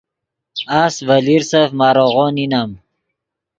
اس ڤے لیرسف ماریغو نینم